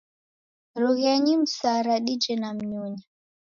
Rughenyi msara dije na mnyunya.